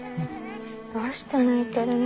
どうして泣いてるの？